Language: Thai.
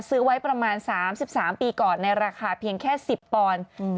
ซื้อไว้ประมาณ๓๓ปีก่อนในราคาเพียงแค่๑๐ปอนด์